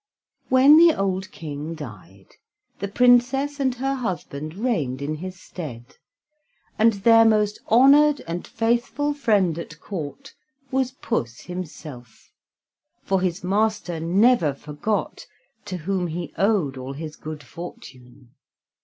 When the old King died, the Princess and her husband reigned in his stead, and their most honored and faithful friend at Court was Puss himself, for his master never forgot to whom he owed all his good fortune.